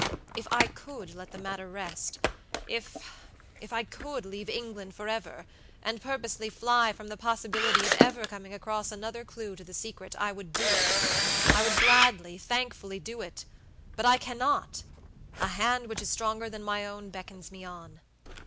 If I could let the matter rest; ifif I could leave England forever, and purposely fly from the possibility of ever coming across another clew to the secret, I would do itI would gladly, thankfully do itbut I cannot! A hand which is stronger than my own beckons me on.